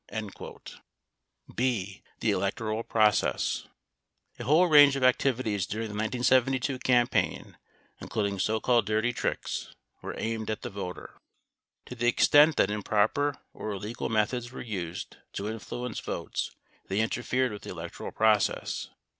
52 B. The Electoral Process A whole range of activities during the 1972 campaign, including so called dirty tricks, were aimed at the voter. To the extent that im proper or illegal methods were used to influence votes, they interfered with the electoral process.